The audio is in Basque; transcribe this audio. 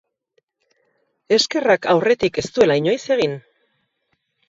Eskerrak aurretik ez duela inoiz egin!